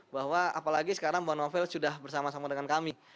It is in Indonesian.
bahwa apalagi sekarang bonovel sudah bersama sama dengan kami